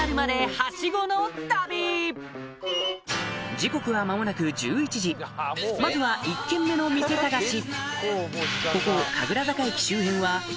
時刻はまもなく１１時まずは１軒目の店探し